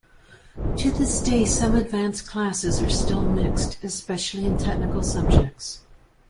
To this day some advanced classes are still mixed, especially in technical subjects.